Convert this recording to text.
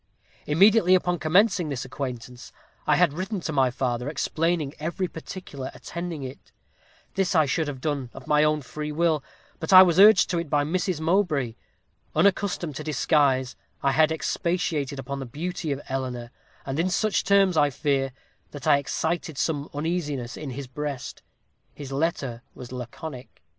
"Immediately upon commencing this acquaintance, I had written to my father, explaining every particular attending it. This I should have done of my own free will, but I was urged to it by Mrs. Mowbray. Unaccustomed to disguise, I had expatiated upon the beauty of Eleanor, and in such terms, I fear, that I excited some uneasiness in his breast. His letter was laconic.